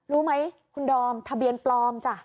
รู้ไหมคุณดอมทะเบียนปลอมจ้ะ